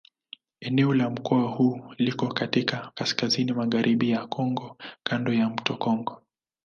Eneo la mkoa huu liko katika kaskazini-magharibi ya Kongo kando ya mto Kongo.